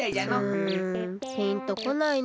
うんピンとこないな。